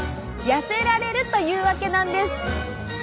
やせられるというわけなんです。